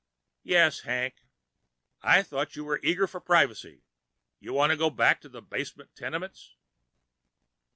"Yes, Hank." "I thought you were eager for privacy. You want to go back to the basement tenements?"